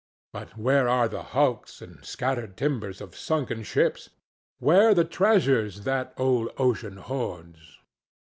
But where are the hulks and scattered timbers of sunken ships? where the treasures that old Ocean hoards?